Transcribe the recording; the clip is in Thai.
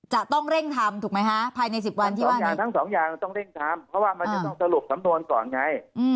จะต้องเร่งทำถูกไหมฮะภายใน๑๐วันที่ทั้งสองอย่างต้องเร่งทำเพราะว่ามันจะต้องสรุปสำนวนก่อนไง